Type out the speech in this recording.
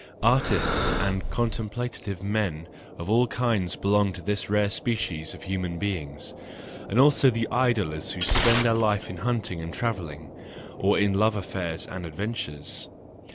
Artists and contemplative men of all kinds belong to this rare species of human beings; and also the idlers who spend their life in hunting and travelling, or in love affairs and adventures.